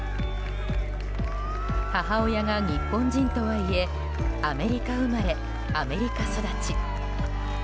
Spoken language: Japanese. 母親が日本人とはいえアメリカ生まれアメリカ育ち。